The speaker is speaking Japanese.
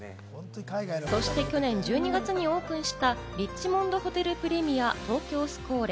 そして去年１２月にオープンした、リッチモンドホテルプレミア東京スコーレ。